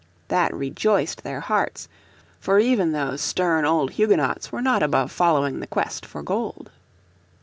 That rejoiced their hearts, for even those stern old Huguenots were not above following the quest for gold.